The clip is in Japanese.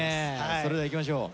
それではいきましょう。